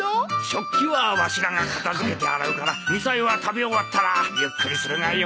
食器はワシらが片付けて洗うからみさえは食べ終わったらゆっくりするがよか。